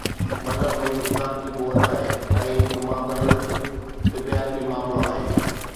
مذهب هڪ اخلاقي قوت آهي ۽ هڪ مابعد الطبعياتي معاملو آهي.